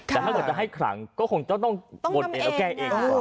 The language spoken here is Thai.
แต่ถ้าเกิดจะให้ครังก็คงต้องบทและแก้เองก่อน